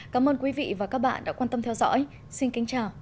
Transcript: cảm ơn quý vị và các bạn đã quan tâm theo dõi xin kính chào và hẹn gặp lại